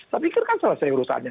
saya pikir kan salah saya urusannya